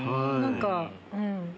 何かうん。